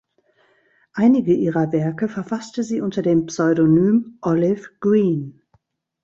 Einige ihrer Werke verfasste sie unter dem Pseudonym "Olive Green".